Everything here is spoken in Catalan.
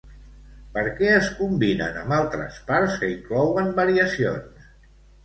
Per què es combinen amb altres parts que inclouen variacions?